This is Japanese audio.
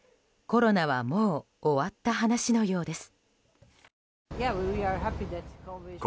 コロナはもう終わった話のようです。